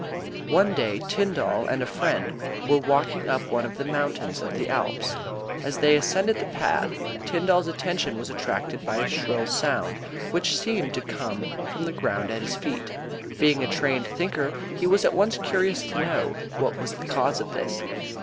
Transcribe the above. One day, Tyndall and a friend were walking up one of the mountains of the Alps. As they ascended the path, Tyndall's attention was attracted by a shrill sound, which seemed to come from the ground at his feet. Being a trained thinker he was at once curious to know what was the cause of this.